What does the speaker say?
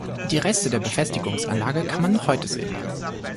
Die Reste der Befestigungsanlage kann man noch heute sehen.